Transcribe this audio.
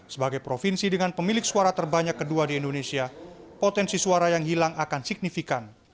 sebagai provinsi dengan pemilik suara terbanyak kedua di indonesia potensi suara yang hilang akan signifikan